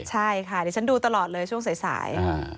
ใช่ค่ะเดี๋ยวฉันดูตลอดเลยช่วงสาย